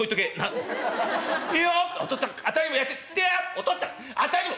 「お父っつぁんあたいにも」。